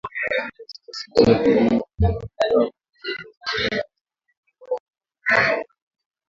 Katika siku ya pili ya vikao vya seneti kuhusu uteuzi wake katika mahakama ya juu